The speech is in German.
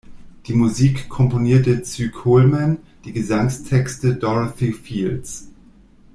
Die Musik komponierte Cy Coleman, die Gesangstexte Dorothy Fields.